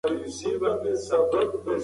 جهالت د یوې ټولنې لپاره لویه بدمرغي ده.